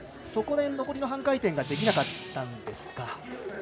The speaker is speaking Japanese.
そこで残りの半回転ができなかったんでしょうか。